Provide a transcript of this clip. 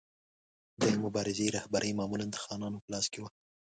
د مبارزې رهبري معمولا د خانانو په لاس کې وه.